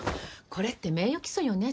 これって名誉毀損よね？